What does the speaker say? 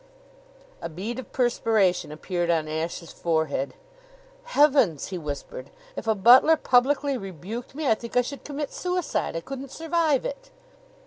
A bead of perspiration appeared on Ashe's forehead. "Heavens!" he whispered. "If a butler publicly rebuked me I think I should commit suicide. I couldn't survive it."